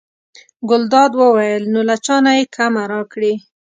ګلداد وویل: نو له چا نه یې کمه راکړې.